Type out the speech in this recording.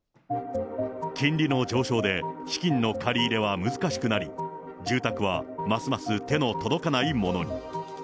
金利の上昇で、資金の借り入れは難しくなり、住宅はますます手の届かないものに。